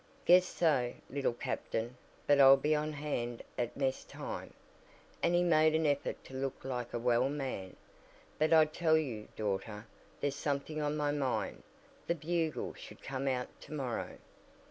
"Guess so, Little Captain, but I'll be on hand at mess time," and he made an effort to look like a well man. "But I tell you, daughter, there's something on my mind; the Bugle should come out to morrow."